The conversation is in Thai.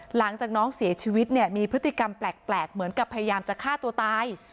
หลังจากน้องเสียชีวิตเนี่ยมีพฤติกรรมแปลกเหมือนกับพยายามจะฆ่าตัวตาย